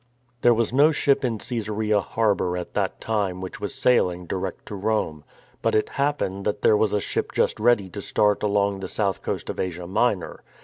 There was no ship in Csesarea harbour at that time which was sailing direct to Rome. But it happened that there was a ship just ready to start along the south coast of Asia Minor.